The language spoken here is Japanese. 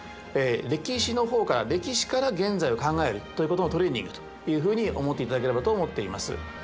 歴史の方から歴史から現在を考えるということのトレーニングというふうに思っていただければと思っています。